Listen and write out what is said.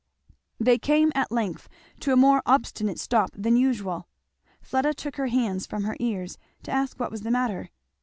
They came at length to a more obstinate stop than usual. Fleda took her hands from her ears to ask what was the matter.